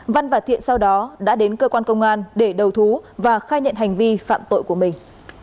văn và thiện sau đó đã đến cơ quan công an để đầu thú và khai nhận hành vi phạm tội của mình